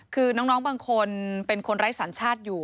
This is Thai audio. คือน้องบางคนเป็นคนไร้สัญชาติอยู่